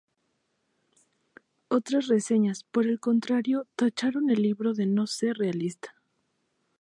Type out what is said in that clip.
Otras reseñas, por el contrario, tacharon el libro de no ser realista.